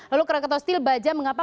lalu krakatau steel baja mengapa